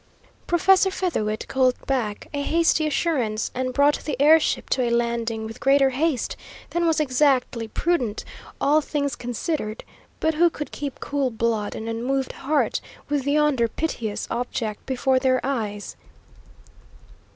Professor Featherwit called back a hasty assurance, and brought the air ship to a landing with greater haste than was exactly prudent, all things considered; but who could keep cool blood and unmoved heart, with yonder piteous object before their eyes?